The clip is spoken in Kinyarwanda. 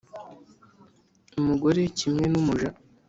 umugore kimwe n’umuja,